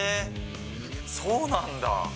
そうなんだ。